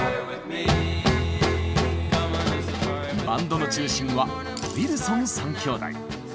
バンドの中心はウィルソン３兄弟。